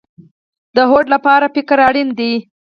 د هوډ لپاره فکر اړین دی